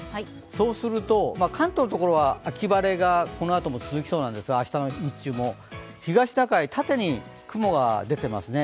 そうすると、関東のところは秋晴れがこのあとも続きそうなんですが、明日の日中も東シナ海、縦に雲が出ていますね。